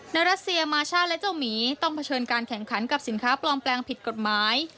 รัสเซียมาช่าและเจ้าหมีต้องเผชิญการแข่งขันกับสินค้าปลอมแปลงผิดกฎหมาย